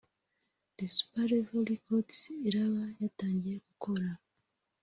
The Super Level Records iraba yatangiye gukora